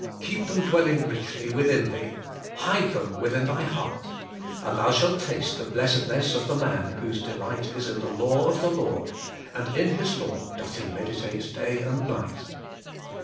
Keep them dwelling richly within thee, hide them within thy heart, and thou shalt taste the blessedness of the OBEYING HIS COMMANDMENTS. 183 man whose 'delight is in the law of the Lord, and in His law doth he meditate day and night.'